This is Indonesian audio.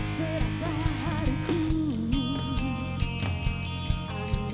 suaramu dan keriakan